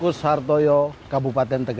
di sini sudah semuanya sudah kedudukan yang penting